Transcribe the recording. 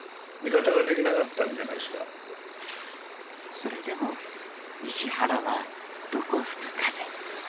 ［それでも石原はどこ吹く風］